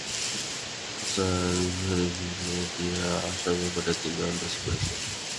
মনে হচ্ছে বস্তায় ভরে ফেলে দিয়ে আসার ব্যাপারটা তিনিও আন্দাজ করছেন।